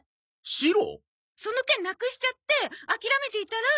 その券なくしちゃって諦めていたら。